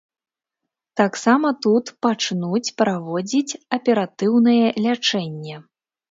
Таксама тут пачнуць праводзіць аператыўнае лячэнне.